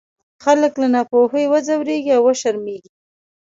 خلک له ناپوهۍ وځورېږي او وشرمېږي.